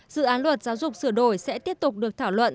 dự án luật giáo dục sửa đổi sẽ tiếp tục được thảo luận